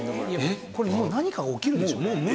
これもう何か起きるでしょう。